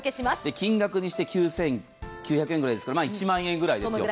金額にして９９００円ぐらいですから１万円ぐらいですよ。